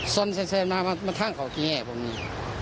ส้นแสนมาท่างเขาแบบนี้